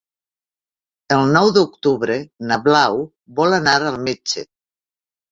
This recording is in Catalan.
El nou d'octubre na Blau vol anar al metge.